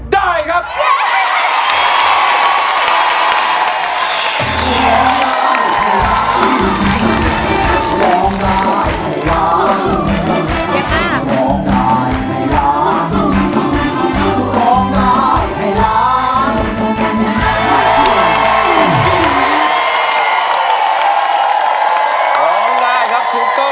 ได้ครับ